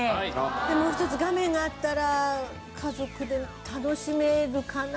もう１つ画面があったら家族で楽しめるかな。